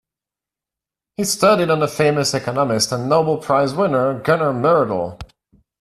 He studied under famous economist and Nobel Prize Winner Gunnar Myrdal.